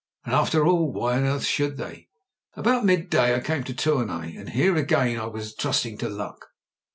And after all, why on earth should they ? "About midday I came to Tournai ; and here again I was trusting to luck.